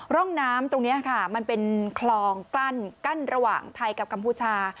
ร่องน้ำตรงนี้ค่ะมันเป็นคลองกั้นระหว่างไทยกับกัมพูชา